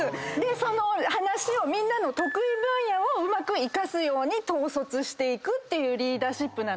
その話をみんなの得意分野をうまく生かすように統率していくっていうリーダーシップなので。